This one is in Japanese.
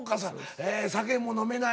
ええ酒も飲めない